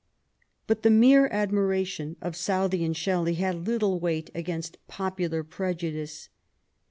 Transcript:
But the mere admiration of Southey and Shelley had little weight against popular prejudice.